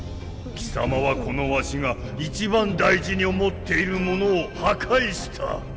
貴様はこのわしが一番大事に思っているものを破壊した。